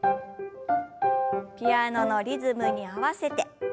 ピアノのリズムに合わせて。